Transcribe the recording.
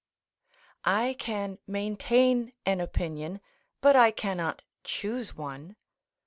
] I can maintain an opinion, but I cannot choose one.